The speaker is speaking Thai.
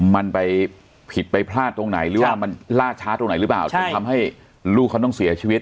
มันไปผิดไปพลาดตรงไหนหรือว่ามันล่าช้าตรงไหนหรือเปล่าจนทำให้ลูกเขาต้องเสียชีวิต